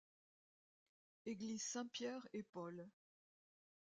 Église Saints-Pierre-et-Paul.